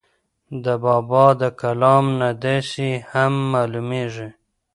د بابا دَکلام نه داسې هم معلوميږي